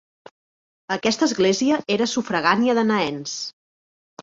Aquesta església era sufragània de Naens.